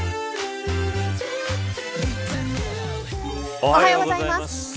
おはようございます。